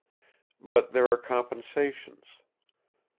But there are compensations.